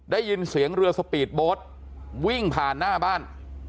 ได้ยินเสียงเรือสปีดโบ๊ทวิ่งผ่านหน้าบ้าน